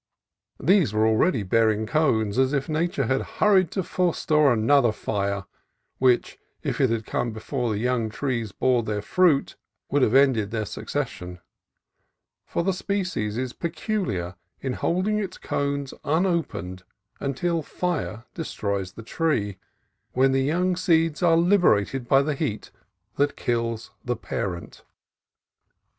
These were already bearing cones, as if Nature had hurried to forestall another fire, which, if it had come before the young trees bore their fruit, would have ended the succession: for the species is peculiar in holding its cones unopened until fire destroys the tree, when the seeds are liberated by the heat that kills the parent.